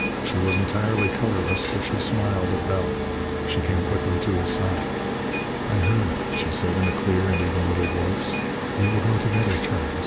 She was entirely colorless, but she smiled at Bell. She came quickly to his side. "I heard," she said in a clear and even little voice. "We will go together, Charles.